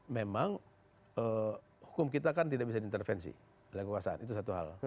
memang hukum kita kan tidak bisa diintervensi oleh kekuasaan itu satu hal